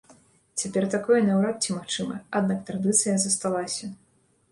Цяпер такое наўрад ці магчыма, аднак традыцыя засталася.